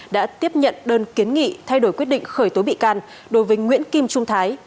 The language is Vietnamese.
đã tiếp nhận đơn kiến nghị thay đổi quyết định khởi tố bị can đối với nguyễn kim trung thái